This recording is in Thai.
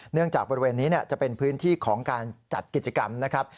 จากบริเวณนี้จะเป็นพื้นที่ของการจัดกิจกรรมนะครับ